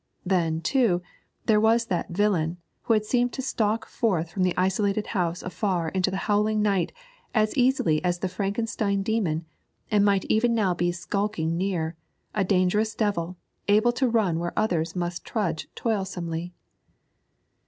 Then, too, there was that villain, who had seemed to stalk forth from the isolated house afar into the howling night as easily as the Frankenstein demon, and might even now be skulking near a dangerous devil able to run where others must trudge toilsomely.